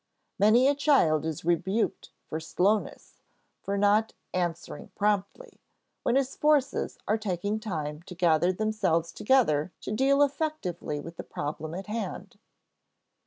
Many a child is rebuked for "slowness," for not "answering promptly," when his forces are taking time to gather themselves together to deal effectively with the problem at hand.